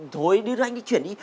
thôi đi cho anh đi chuyển đi